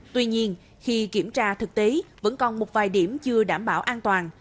tuy nhiên khi kiểm tra thực tế vẫn còn một vài điểm chưa đảm bảo an toàn